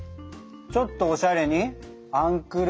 ちょっとおしゃれにアンクル？